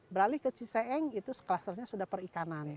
beralih ke ciseeng itu klusternya sudah perikanan